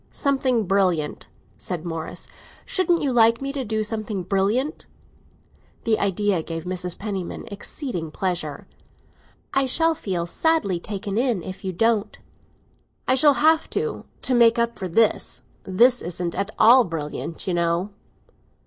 "Something brilliant," said Morris. "Shouldn't you like me to do something brilliant?" The idea gave Mrs. Penniman exceeding pleasure. "I shall feel sadly taken in if you don't." "I shall have to, to make up for this. This isn't at all brilliant, you know."